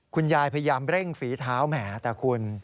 คุณยายพยายามเร่งฝีเท้าแหมแต่คุณ